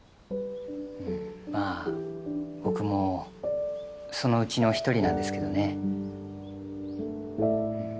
うんまあ僕もそのうちの一人なんですけどね。